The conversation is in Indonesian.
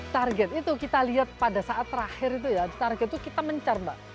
target itu kita lihat pada saat terakhir itu ya target itu kita mencar mbak